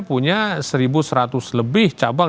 punya satu seratus lebih cabang